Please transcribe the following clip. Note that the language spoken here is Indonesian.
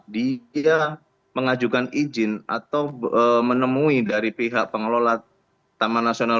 dia mengajukan izin atau menemui dari pihak pengelola taman nasional